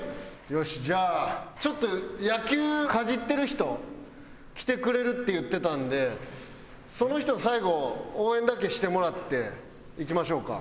よしじゃあちょっと野球かじってる人来てくれるって言ってたんでその人に最後応援だけしてもらって行きましょうか。